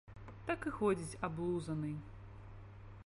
Так і ходзіць аблузаны.